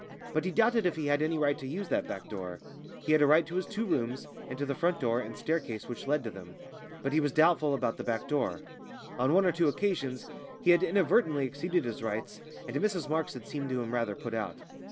But he doubted if he had any right to use that back door. He had a right to his two rooms and to the front door and staircase which led to them; but he was doubtful about the back door. On one or two occasions he had inadvertently exceeded his rights, and Mrs Marks had seemed to him rather put out.